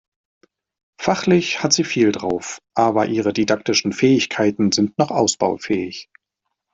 Fachlich hat sie viel drauf, aber ihre didaktischen Fähigkeiten sind noch ausbaufähig.